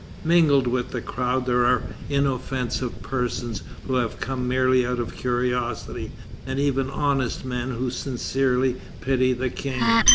Mingled with the crowd there are inoffensive persons, who have come merely out of curiosity, and even honest men who sincerely pity the King.